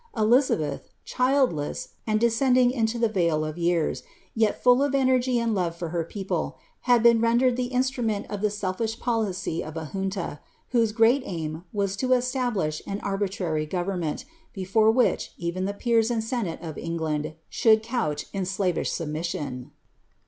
Elizabeth, childless, and descending into the vale of years, yet full of energy and love for her people, had been rendered the instrument of the seldsh policy of a junta, whose great aim was to establish an arbitrary government, before which even the peers and senate of England should crouqh in slavish submission.